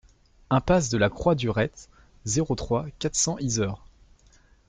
Impasse de la Croix du Retz, zéro trois, quatre cents Yzeure